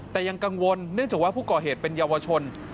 แต่ยังกังวลเนื่องจากว่าผู้ก่อเหตุเป็นเยาวชน